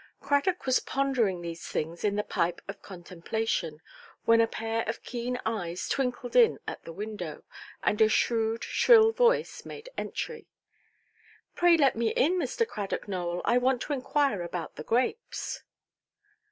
Cradock was pondering these things in the pipe of contemplation, when a pair of keen eyes twinkled in at the window, and a shrewd, shrill voice made entry. "Pray let me in, Mr. Cradock Nowell; I want to inquire about the grapes".